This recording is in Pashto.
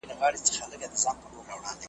یا یې په برخه د لېوه داړي .